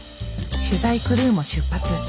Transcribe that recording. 取材クルーも出発。